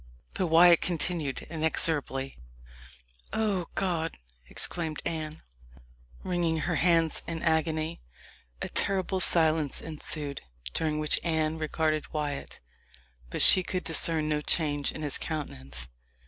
But Wyat continued inexorable. "O God!" exclaimed Anne, wringing her hands in agony. A terrible silence ensued, during which Anne regarded Wyat, but she could discern no change in his countenance.